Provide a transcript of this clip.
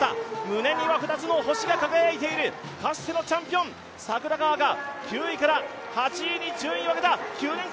胸には２つの星が輝いているかつてのチャンピオン、櫻川が８位から８位に順位を上げた。